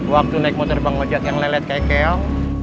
waktu naik motor bang ojak yang lelet kekel